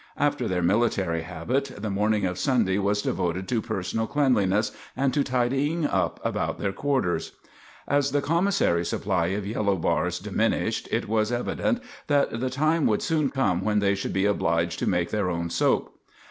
After their military habit, the morning of Sunday was devoted to personal cleanliness and to tidying up about their quarters. As the commissary supply of yellow bars diminished, it was evident that the time would soon come when they should be obliged to make their own soap.